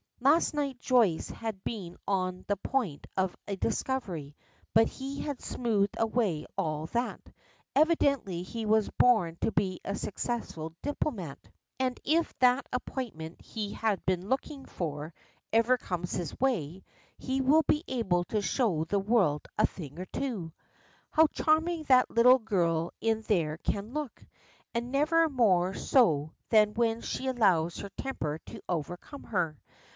Last night Joyce had been on the point of a discovery, but he had smoothed away all that. Evidently he was born to be a successful diplomatist, and if that appointment he has been looking for ever comes his way, he will be able to show the world a thing or two. How charming that little girl in there can look! And never more so than when she allows her temper to overcome her.